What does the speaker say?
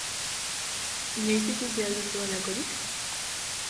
Inoiz ikusi al duzu halakorik?